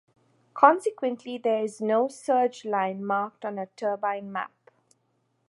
Consequently there is no surge line marked on a turbine map.